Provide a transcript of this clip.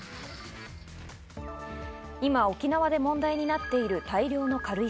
今、沖縄で問題になっている大量の軽石。